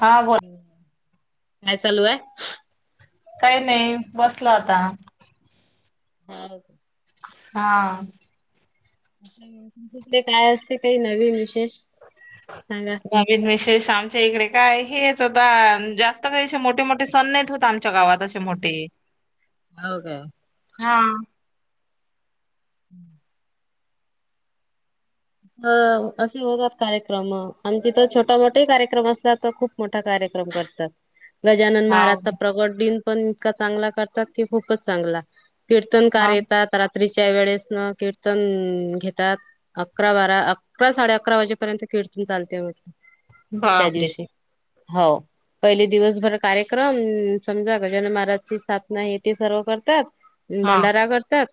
हा बोल काय चालूं आहे काही नाही बसलो आता हाव का हा ते काय असते ते नवीन विशेष सांगा नवीन विशेष आमच्या इकडे काय हेच आता जास्त काहीे असे मोठे मोठे सण नाही होत आम आमच्या गावात असे मोठे हो काय हा [inaudible] हा असे होतात कार्यक्रम आमच्या तर छोटा मोठा ही कार्यक्रम असतात खूप मोठा कार्यक्रम करतात गजानन हा महाराजचा प्रगट दिन पण इतका चांगला करतात की खूपच चांगला कीर्तनकार हा येतात रात्रीच्या वेळेस मग कीर्तन घेतात अकरा बारा अकरा साडे अकरा वाजेपर्यंत कीर्तन चालते त्या बापरे दिवशी हो पहिले दिवसभर कार्यक्रम समजा गजानन महाराजची स्थापना हे ते सर्व करतात हा भंडारा करतात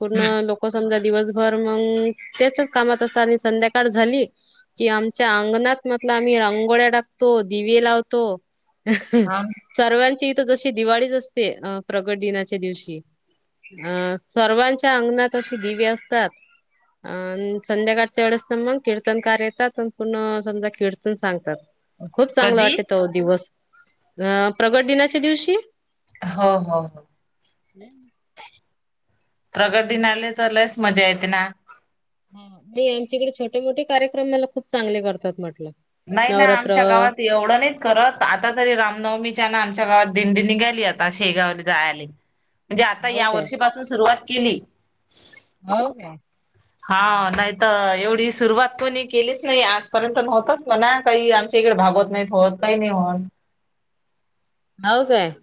पूर्ण हम्म लोक समजा दिवसभर मग तेचच कामात असत सारी संध्याकाळ झाली कि आमच्या अंगणात मग आम्ही रांंगोळ्या टाकतो दिवे लावतो हा सर्वांची इथ जशी दिवाळीच असते अ प्रगट दिनाच्या दिवशी आ सर्वांच्या अंगणात अशी दिवे असतात अ संध्याकाळच्या वेळेस ना मग कीर्तनकार येतात अण पुन्हा समजा कीर्तन सांगतात खूप चांगला कधी वाटते त दिवस अ प्रगट दिनाच्या दिवशी हो हो हो [inaudible] प्रकट दिनाले तर लयच मजा येतेना हा ते आमच्याकडे छोटे मोठे कार्यक्रमाला खूप चांगले करतात म्हटलं नाही ना नवरात्र आमच्या गावात एवढं नाही करत आता तरी रामनवमीच्या ना आमच्या गावात दिंडी निघाली आता शेगावला जायले म्हणजे आता हो या काय? वर्षीपासून सुरुवात केली हो काय हा नाही तर एवढी सुरुवात कोणी केलीच नाही आजपर्यंत नव्हतच ना काही आमच्या इकडे भागवत नाहीत होत काही नाही होत हो काय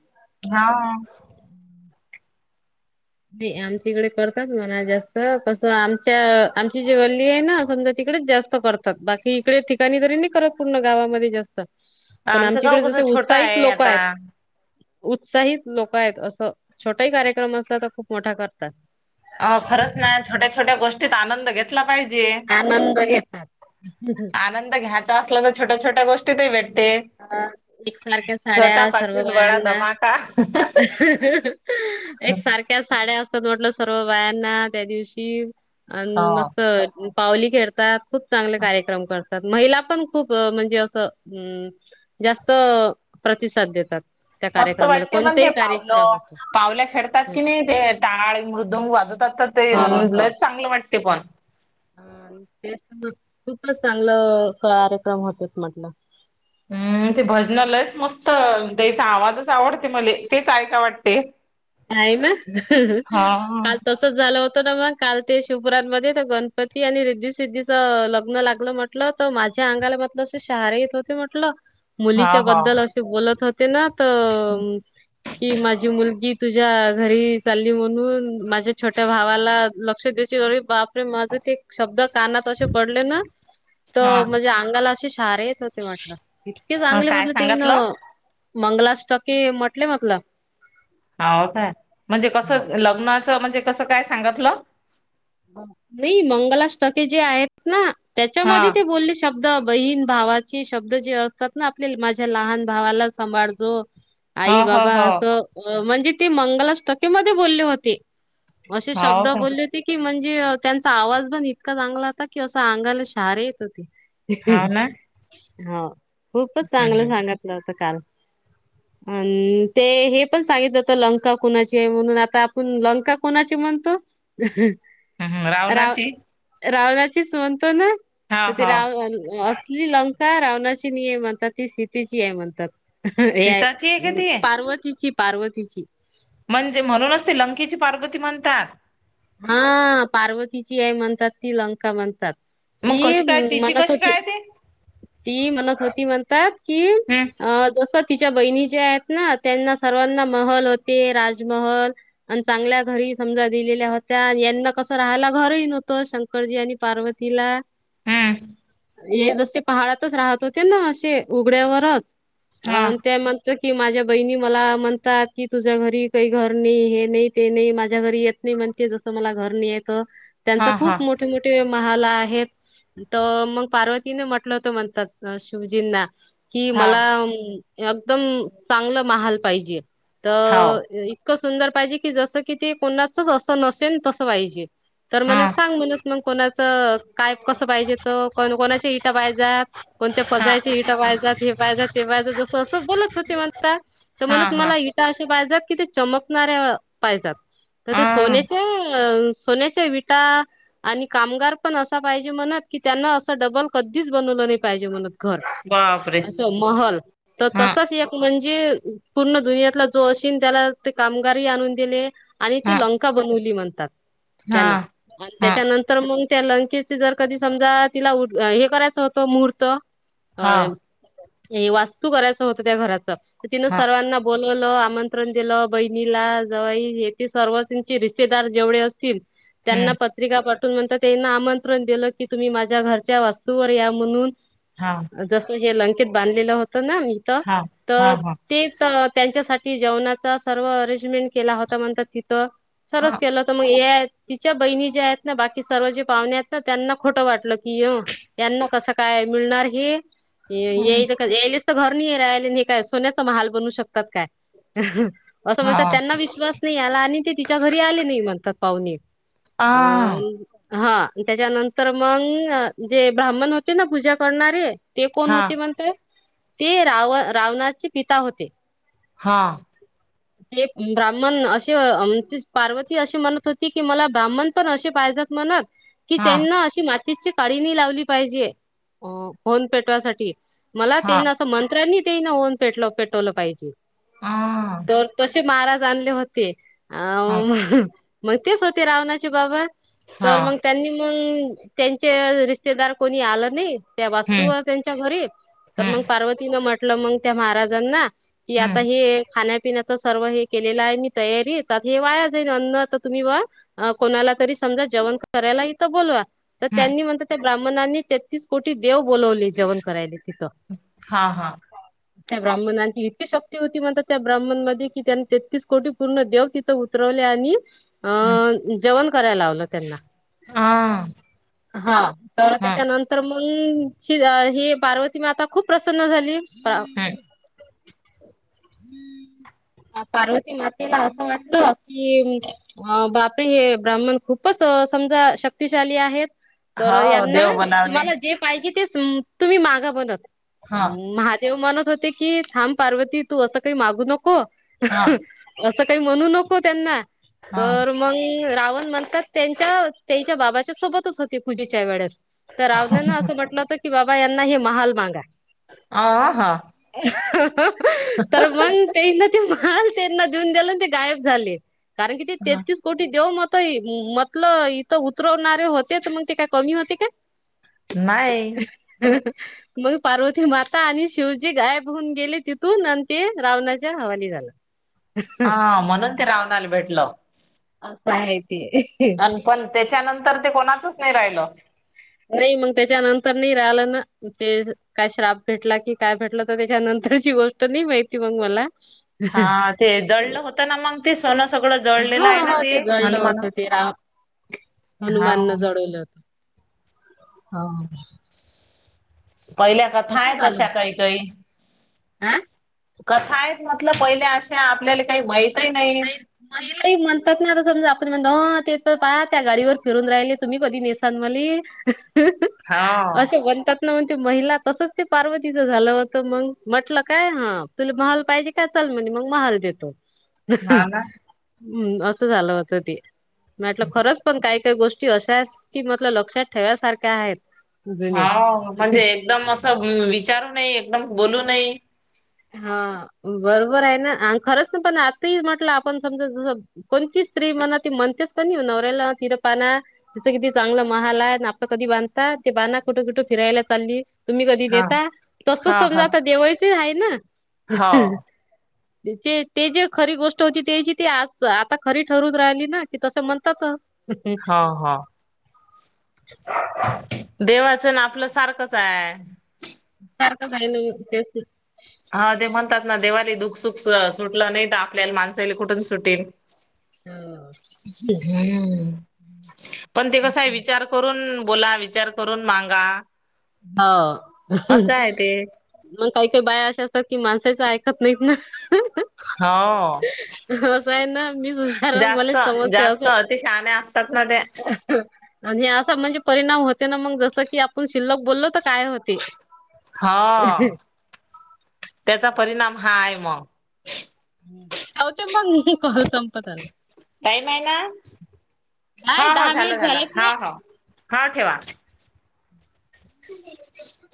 हा नाही आमच्या इकडे करतात म्हणा जास्त कसं आमच्या आमची जी गल्ली आहे ना समजा तिकडेच जास्त करतात बाकी इकडे ठिकाणी तरी नाही करत पूर्ण गावामध्ये जास्त पण आमचं गाव आमच्याकडे जसे कसं छोटं उत्साहित आहे लोक आता. आहेत उत्साहित लोक आहेत असं छोटाही कार्यक्रम असला तर खूप मोठा करतात अ खरंच ना छोट्या छोट्या गोष्टीत आनंद घेतला पाहिजे आनंद घेतात.. आनंद घ्या. असल्यान छोट्या छोट्या गोष्टीत ही भेटते.. अ एकसारख्या छोटा साड्या सर्व पाकीट बडा बायांना धमाका हा हा एक सारख साड्या असतात म्हटलं सर्व बायांना त्या दिवशी अ हो. मस्त पावली खेळतात खूप चांगले कार्यक्रम करतात महिला पण खूप म्हणजे असं अ जास्त प्रतिसाद देतात. त्या मस्त कार्यक्रमाला वाटते पण कोणतेही ते कार्यक्रम भावलं असो भावल्या खेळतात हं. की नाही ते टाळ मृदूंग वाजवतात ते हो लय चांगलं वाटते पण त्या खूप चांगलं कार्यक्रम होत म्हटलं. हम्म ते भजनालयच मस्त त्याचा आवाजच आवडते मला तेच ऐका वाटते. हेना, हा काल तसच झालं होत. मग काल ते शिपरामध्ये तर गणपती आणि रिद्धसिद्धीच लग्न लागलं म्ह- - म्हटलं तर माझ्या अंगाला मधलं अस शहारे येत होते म्हटलं हा मुलीच्या हा बद्दल असे बोलत होते ना तर कि माझी मुलगी तुझ्या घरी चालली म्हणून माझ्या छोट्या भावाला लक्ष द्यायचे अरे बापरे माझं ते शब्द कानात असे पडले ना तर म्हणजे अंगाला असे शहारी येत होते म्हटलं. इतके हा चांगले काय म्हटल तेन सांगितलं मंगलाष्टके म्हटले म्हटलं. हो काय म्हणजे कसं लग्नाचं म्हणजे कसं काय सांगितलं. नाही मंगलाष्टके जे आहेत ना हा त्याच्यामध्ये ते बोलले शब- - शब्द बहीण भावाचे शब्द जे असतात ना आपल्या माझ्या लहान भावाला सांभाळतो. हो आई हो बाबा हो असं म्हणजे ते मंगलाष्टकी मधे बोलले होते. अशीे हो शब्द का बोलले. की म्हणजे त्यांचा आवाज पण इतका चांगला होता की असं अंगाला शहारे येत होती. हाव ना हो खूपच हम्म चांगलं हम्म. सांगितलं. आणि ते हे पण सांगितलं आता लंका कोणाची म्हणून, आता आपण लंका कोणाची म्हणतो? [unintelligible] रावणाची. रावनाचीच म्हणतो ना हा तर ते हो रावण अस- - आपली लंका रावणाची नाही आहे म्हणतात ती सीतेची आहे म्हणतात. हा हे आहे.... सीताची का ती पार्वतीची पार्वतीची. म्हणजे म्हणूनच ते लंकेची पार्वती म्हणतात. हा पार्वतीची आहे म्हणतात ती लंका म्हणतात. मग ती कशी काय तिची म्हणत कशी होती. काय ते ती म्हणत होती म्हणतात की हम्म अ जस तिच्या बहिणी ज्या आहेत ना त्यांना सर्वांना महल होते राजमहल आणि चांगल्या घरी समजा दिलेल्या होत त्या यांना कसं राहायला घरही नव्हतं शंकरजी आणि पार्वतीला हा.. हे जसे पहाडातच राहत होते ना असे उघड्यावरच हा अ त्या की माझ्या बहिणी मला म्हणतात की तुझ्या घरी काही घर नाही हे नाही ते नाही माझ्या घरी येत- - म्हणते जसं मला घरणी येत त्यांच हा हा खूप मोठे मोठे महाला आहेत तर मग पार्वतीने म्हटलंत म्हणतात शिवजींना की हा मला अं... यकदम चांगलं महाल पाहिजे त..... हाव इतक सुंदर पाहिजे कि जसं कि ते कोणाचचं असं नसेन तसं पाहिजे, तर हा मन सांग म्हने मंग कोणाचं काय कसं पाहिजे त कन कोणाच्या इटा पायजात कोणत्या हा पजायची इटा पाहाजात हे पाहिजात ते पाहिज जसं असं बोलत होते म्हणता तर हा म्हणत हा मला इटा अशा पायजात की ते चमकणाऱ्या पायजात तर ते हा सोने ह्म् अ, सोन्याच्या विटा आनि कामगार पन असा पाहिजे म्हनत की त्यांनं असं डबल कधीच बनवलं नाही पायजे म्हनत घर बापरे असं महल त हा तसच येक म्हणजे, पूर्ण दुनियातला जो अशीन त्याला ते कामगारही आणून दिले आणि हा ती लंका बनवली म्हणतात, हा त्यान आणि हा त्याच्यानं तर मंग त्या लंकेचे जर कधी समजा तिला हे करायचं होतं मुहूर्त अ हा हे वास्तू करायचं होतं त्या घराच, त तिनं हा सर्वांना बोलवलं आमंत्रण दिलं बहिणीला जावई हे ते सर्व त्येंचे रिश्ते रिश्तेदार जेवढे असतील त्यांना हम्म पत्रिका पा पाठवून नंतर त्यानं आमंत्रण दिलं की तुम्ही माझ्या घरच्या वास्तूवर या म्हणून हा जस हे लंकेत बांधलेलं होतं ना इथ हा हा तर हा ते तर त्यांच्यासाठी जेवणाचा सर्व अरेंजमेंट केला होता म्हणतात तिथं सर्वच हा केलंत मग ये या त तिच्या बहिणी ज्या आहेत ना बाकी सर्व जे पाहुणे आहेत ना त्यांना खोटं वाटलं की यो त्यांना कसंकाय मिळणार हे ही हम्म याईल क घ्याईले स्वतः च घर नाही राहाले न हे काय सोन्याचा महाल बनवू शकतात काय, असं हा म्हणतात त्यांना विश्वास नाही आला आनि ते तिच्या घरी आले नाही म्हनतात पाहुणे आ अ हा तेच्यानंतर मंग जे ब्राह्मण होते न पूजा करणारे ते कोण हा होते म्हनते? ते राव रावणाचे पिता होते हा. ते ब्राह्मण असे अ पार्वती अशी म्हणत होती की मला ब्राह्मण पण असे पाहिजात म्हणत की हा त्येईन् अशी तितची काडी नाई लावली पायजे होम पेटवासाठी मला हा त्येईन असं मंत्र्यांनी त्यांना होन पेटलय पेटवलं पाहिजे आ तर तसे माराज आणले होते अ हा म ह मग तेच होते रावणाचे बाबा हा तर मंग त्यांनी मंग त्यांचे रिश्तेदार कोणी आलं नाही, त्या हम्म वास्तूवर त्यांच्या घरी तर मंग हम्म पार्वतीनं म्हटलं मंग त्या महाराजांना की आता हम्म हे खाण्यापिण्याचं सर्व हे केलेलं आहे मी तयारी हे वाया जाईन अन्न त तुम्ही बा अ कोणाला तरी समजा जेवण करायला इथं बोलवा तर हम्म त्यांनी म्हनत ते ब्राह्मनांनी तेत्तीस् कोटी देव बोलवले जेवण करायले तिथं हा हा त्या ब्राह्मणांची इतकी शक्ती होती म्हनतात त्या ब्राह्मण मध्ये कि त्यांनी तेतीस कोटी पूर्ण देव उतरवले आणि अ हम्म जेवण कराय लावलं त्यांना आ हा तर हा त्याच्यानं तर मंग ही पार्वती माता खूप प्रसन्न झाली हम्म पार्वती मातेला असं वाटतं की अ बापरे हे ब्राह्मण खूपच अ समजा अ शक्तिशाली आहेत तर हा यांना, देव बनावले तुम्हाला जे पाहिजे ते तुम्ही माग म्हणत हा देव म्हणत होते की थांब पार्वती तू असं काही मागू नको हा. असं काही म्हणू नको त्यांना... हा तर... मग अं... रावण म्हणतात, ते त्यांच्या बाबांसोबतच होते पूजेच्या वेळेस... तर रावणाने असं म्हटलं होतं की, बाबा, यांना हे महाल मागा. अ हा तर मग त्याने ते महाल त्यांना देऊन टाकले, ते गायब झाले, कारण की ते हा तेहतीस... कुठे देऊ? म्हटलं, इथं उतरवणारेच होते, मग ते काय कमी होते का? [inaudible] नाही. ठेव इथं. मग पार्वतीमाता आणि शिवजी तिथून गायब होऊन गेले, आणि ते महाल रावणाच्या हवाली झाले. [inaudible] हा, म्हणून ते रावणाला भेटलं. असं आहे ते. आणि पण त्याच्यानंतर ते कोणाचंच नाही राहिलं. नाही, मग त्याच्यानंतर ते राहिलं नाही ना, त्याला काय शाप भेटला की... काय भेटलं, तर त्याच्यानंतरची गोष्ट मला नाही माहिती मग. हा, ते जळलं होतं ना मग ते सोनं सगळं जळलेलं हा आहे ना, ते हनुमान हा हनुमानाने जळवलं होतं. हं.. पहिल्या कथा असं आहे. झालं तशा काही काही होतं. कथा आहेत म्हटलं पहिल्या, अशा आपल्याला काही माहितीच नाही. मले काही म्हणतात ना, आता समजा आपण म्हणते, हं ते पण पाहा त्या गाडीवर फिरत राहिले, तुम्ही कधी नेसान मले. हा असं म्हणतात. [inaudible] महिला तसंच ते पार्वतीचं झालं होतं, मग म्हटलं, तुला महाल पाहिजे त्या चल, म्हण मग महाल देतो. हा ना. हं, असं झालं होतं ते, म्हटलं खरंच, पण काय काय गोष्ट अशात की, मतल लक्षात ठेवायासारखे आहेत. हा, जुन्या म्हणजे एकदम असं विचारू नये, एकदम बोलू नये. हा, बरोबर आहे ना, आणि खरंच ना, पण आता ही म्हटलं आपण समजु... कोणती स्त्री, म्हणा, ती म्हणतेच की नाही, ओ, नवऱ्याला तिर पाना... तिथं किती चांगला महाल आहे, आपलं कधी बांधता? ते पहा, कुठे कुठे फिरायला चालली. तुम्ही कधी हा देता, तसं हा हा समजा, आता देवायची आहे ना? हो ते जे खरी गोष्ट होती, ते जी ते, आ, आता खरी ठरून राहिली ना, की तसं म्हणतात? [inaudible] हा, हा, देवाचं आणि आपलं सारखंच आहे. सारखं आहे न, मग तेच, तेच. हा, ते म्हणतात ना, देवालाही दुःखसुख सुटलं नाही, आपल्याला माणसाला कुठून सुटेल. पण, ते कसाय, विचार. करून बोला, विचार करून मागा. हं असं आहे ते मग, काही काही बाया अशा असतात की, माणसाचं ऐकत नाहीत ना. हा असं आहे ना, मी हुशार आहे, मला समजतंय जास्त असं. अति शहाण्या असतात ना त्या. आणि, असा म्हणजे, परिणाम होतोय ना मग, जसं की आपण शिल्लक बोललो तर काय होते. हा त्याचा परिणाम हा आहे मग. हो ते मग म कर संपतल. टाईम आहे ना नाही ह दहा झालं मिनिट झालं झालेत ना. ह ह हा ठेवा. [inaudible]